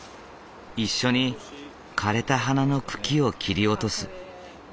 一緒に枯れた花の茎を切り落とす。